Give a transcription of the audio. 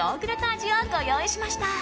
味をご用意しました。